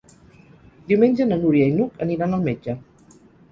Diumenge na Núria i n'Hug aniran al metge.